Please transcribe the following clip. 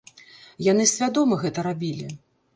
Яны свядома гэта рабілі.